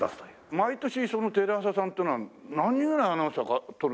毎年テレ朝さんっていうのは何人ぐらいアナウンサー採る？